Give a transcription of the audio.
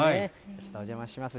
ちょっとお邪魔します。